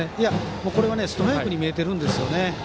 これはストライクに見えてるんですよね。